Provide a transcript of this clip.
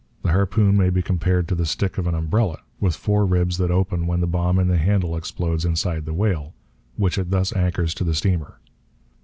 The harpoon may be compared to the stick of an umbrella, with four ribs that open when the bomb in the handle explodes inside the whale, which it thus anchors to the steamer.